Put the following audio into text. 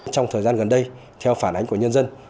trong thời gian gần đây theo phản ánh của nhân dân